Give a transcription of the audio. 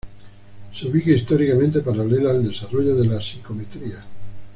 Se ubica históricamente paralela al desarrollo de la psicometría.